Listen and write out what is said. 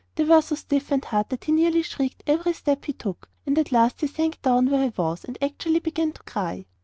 They were so stiff and hard that he nearly shrieked every step he took, and at last he sank down where he was, and actually began to cry.